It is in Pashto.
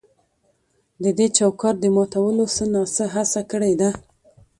د دې چوکاټ د ماتولو څه نا څه هڅه کړې ده.